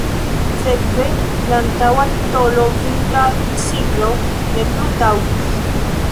Sekve la antaŭa titolo „Vintra Ciklo" ne plu taŭgis.